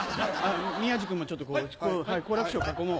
宮治君もちょっとここ好楽師匠を囲もう。